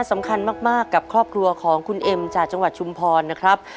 สำคัญมากกับครอบครัวของคุณเอ็มจากจังหวัดชุมพรนะครับ